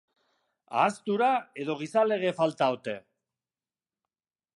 Ahaztura edo gizalege falta ote?